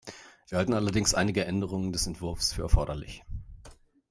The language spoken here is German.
Wir halten allerdings einige Änderungen des Entwurfs für erforderlich.